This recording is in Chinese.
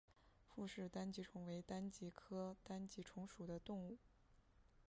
傅氏单极虫为单极科单极虫属的动物。